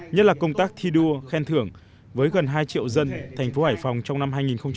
nhất là công tác thi đua khen thưởng với gần hai triệu dân thành phố hải phòng trong năm hai nghìn một mươi chín